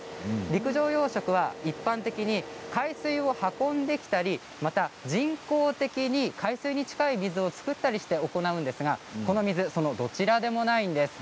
陸上養殖は一般的に海水を運んできたりまた人工的に海水に近い水を作ったりして行うんですがこの水、そのどちらでもないんです。